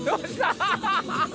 アハハハ！